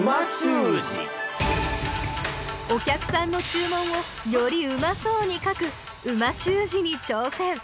お客さんの注文をよりうまそうに書く美味しゅう字に挑戦！